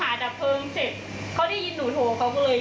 ค่ะแล้วก็ขี่รถออกไปเลย